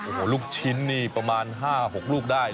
โอ้โหลูกชิ้นนี่ประมาณ๕๖ลูกได้